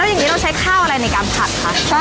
อย่างนี้เราใช้ข้าวอะไรในการผัดคะ